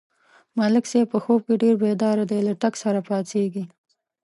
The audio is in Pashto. ملک صاحب په خوب کې ډېر بیداره دی، له ټک سره پا څېږي.